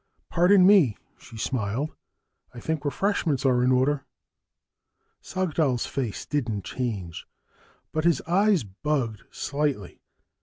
"Pardon me," she smiled. "I think refreshments are in order." Sagdahl's face didn't change, but his eyes bugged slightly.